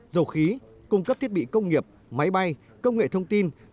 dầu khí cung cấp thiết bị công nghiệp máy bay công nghệ thông tin